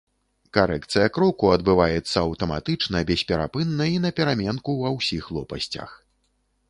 Карэкцыя кроку адбываецца аўтаматычна, бесперапынна і напераменку ва ўсіх лопасцях.